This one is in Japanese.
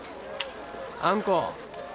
あんこ。